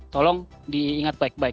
tolong diingat baik baik